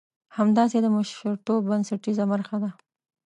همداسې د مشرتوب بنسټيزه برخه ده.